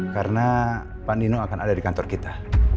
karena pak nino akan ada di kantor kita